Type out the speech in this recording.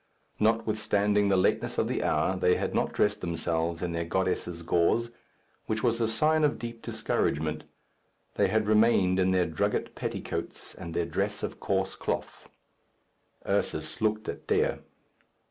Notwithstanding the lateness of the hour, they had not dressed themselves in their goddesses' gauze, which was a sign of deep discouragement. They had remained in their drugget petticoats and their dress of coarse cloth. Ursus looked at Dea.